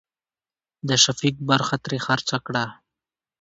د شفيق برخه ترې خرڅه کړه.